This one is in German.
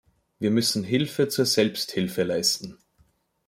Wir müssen Hilfe zur Selbsthilfe leisten.